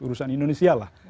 urusan indonesia lah